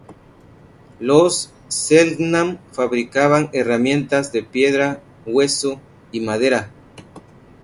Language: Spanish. Los selknam fabricaban herramientas de piedra, hueso y madera.